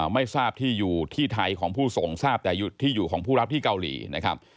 ไม่ทราบที่อยู่ที่ไทยของผู้ส่งทราบแต่ที่อยู่ของผู้รับที่เกาหลีนะครับ